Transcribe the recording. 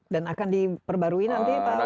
dan akan diperbarui nanti pak wagu